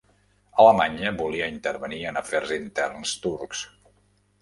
Alemanya volia intervenir en afers interns turcs